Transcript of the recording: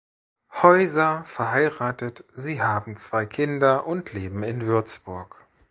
Häuser verheiratet, sie haben zwei Kinder und leben in Würzburg.